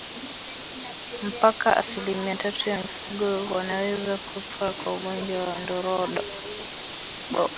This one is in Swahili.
Mpaka asilimia tatu ya mifugo wanaweza kufa kwa ugonjwa wa ndorobo